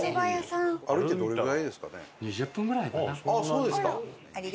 そうですか。